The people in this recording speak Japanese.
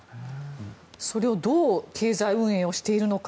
それをどう経済運営をしているのか。